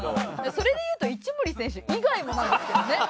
それで言うと一森選手以外もなんですけどね。